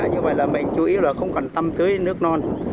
như vậy là mình chủ yếu là không cần tâm tưới nước non